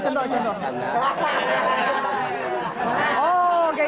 oh kayak gini cara tidurnya ya